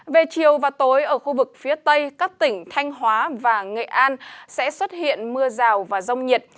về chiều và tối ở khu vực phía tây các tỉnh thanh hóa và nghệ an sẽ xuất hiện mưa rào và rông nhiệt